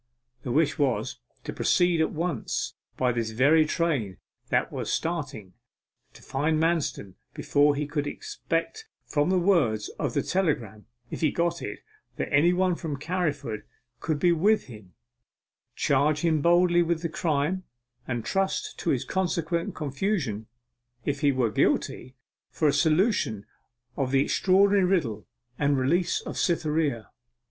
The wish was to proceed at once by this very train that was starting, find Manston before he would expect from the words of the telegram (if he got it) that anybody from Carriford could be with him charge him boldly with the crime, and trust to his consequent confusion (if he were guilty) for a solution of the extraordinary riddle, and the release of Cytherea!